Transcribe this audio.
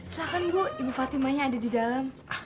silahkan bu ibu fatimanya ada di dalam